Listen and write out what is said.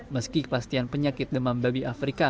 meski kepastian penyakit demam babi afrika